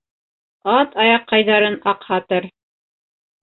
Ат аяҡҡайҙарын аҡһатыр.